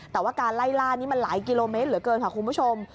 แต่ว่าการไล่ล่านี้มันหลายกิโลเมตรเหลือเกินค่ะคุณผู้ชม